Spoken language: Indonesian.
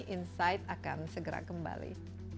insight akan segera kembali